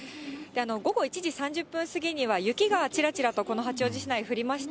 午後１時３０分過ぎには、雪がちらちらとこの八王子市内、降りました。